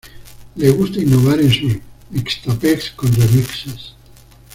Le gusta innovar en sus mixtapes con remixes.